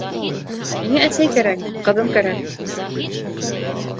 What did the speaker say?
Миңә әсәй кәрәк, ҡыҙым кәрәк.